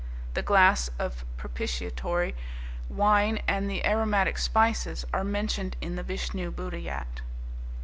The glass of propitiatory wine and the aromatic spices are mentioned in the Vishnu Buddayat."